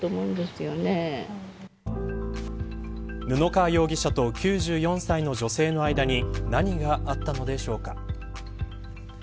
布川容疑者と９４歳の女性の間に何があったのでしょうか。